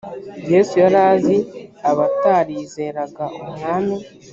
yesu yari azi abatarizeraga umwami.